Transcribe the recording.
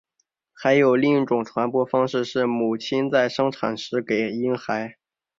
还有另一种传播方式是母亲在生产时给婴孩。